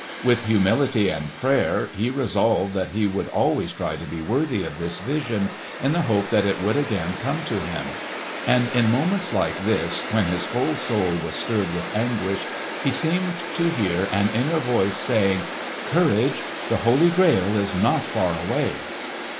With humility and prayer he resolved that he would always try to be worthy of this vision, in the hope that it would again come to him. And in moments like this, when his whole soul was stirred with anguish, he seemed to hear an inner voice saying, "Courage! The Holy Grail is not far away!"